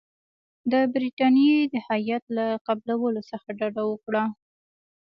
د برټانیې د هیات له قبولولو څخه ډډه وکړه.